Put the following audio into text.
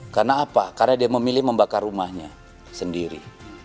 karena apa karena dia memilih membakar rumahnya sendiri